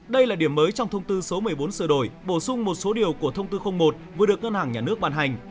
đây là điểm mới trong thông tư số một mươi bốn sửa đổi bổ sung một số điều của thông tư một vừa được ngân hàng nhà nước bàn hành